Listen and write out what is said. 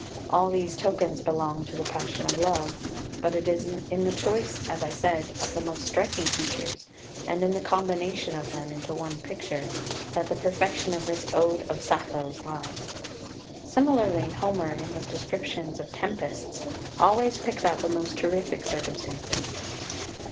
All these tokens belong to the passion of love; but it is in the choice, as I said, of the most striking features, and in the combination of them into one picture, that the perfection of this Ode of Sappho's lies. Similarly Homer in his descriptions of tempests always picks out the most terrific circumstances.